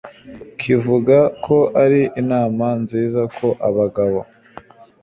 kivuga ko ari inama nziza ko abagabo